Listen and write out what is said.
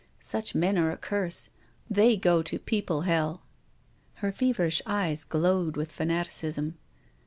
Such men are a curse. They go to people hell." Her feverish eyes glowed with fanaticism.